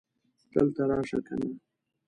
دلته راشه کنه